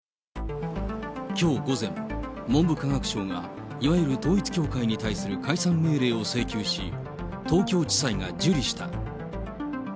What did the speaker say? きょう午前、文部科学省がいわゆる統一教会に対する解散命令を請求し、東京地裁が受理した。